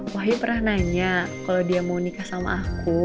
wahyu pernah nanya kalau dia mau nikah sama aku